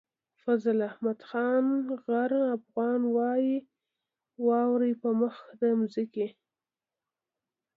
فضل احمد خان غر افغان وايي واورئ په مخ د ځمکې.